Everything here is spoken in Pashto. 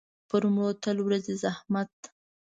پر مړو تل ورځي زحمت.